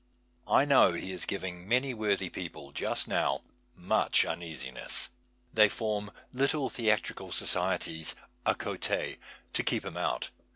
'' I know he is giving many worthy people just now much uneasiness. They form little theatrical societies d 110 AUDIENCES cote to keep him out.